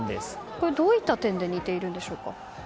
これ、どういった点で似ているんでしょうか。